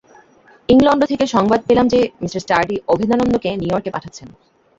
England থেকে সংবাদ পেলাম যে, মি স্টার্ডি অভেদানন্দকে নিউ ইয়র্কে পাঠাচ্ছেন।